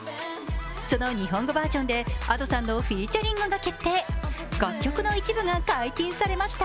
その日本語バージョンでＡｄｏさんのフィーチャリングが決定楽曲の一部が解禁されました。